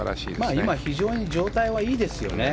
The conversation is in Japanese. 今、非常に状態はいいですよね。